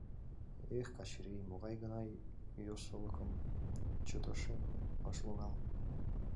Эх, Качырий, могай гына йӧсылыкым чыташем ыш логал!